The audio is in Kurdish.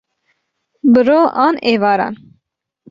bi ro an êvaran